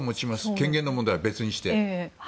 権限の問題は別にして。